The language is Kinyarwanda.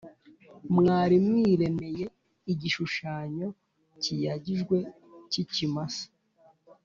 Mwari mwiremeye igishushanyo kiyagijwe cy ikimasa